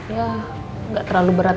ya gak terlalu berat